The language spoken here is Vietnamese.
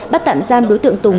bắt tạm giam đối tượng tùng